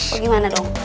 pakadeh gimana dong